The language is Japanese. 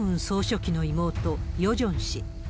総書記の妹、ヨジョン氏。